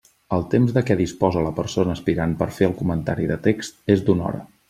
El temps de què disposa la persona aspirant per fer el comentari de text és d'una hora.